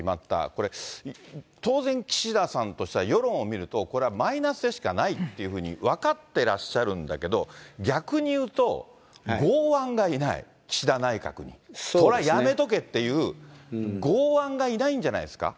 これ、当然、岸田さんとしたら世論を見ると、これはマイナスでしかないっていうふうに分かってらっしゃるんだけど、逆に言うと剛腕がいない、岸田内閣に。これはやめとけっていう、剛腕がいないんじゃないですか。